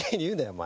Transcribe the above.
お前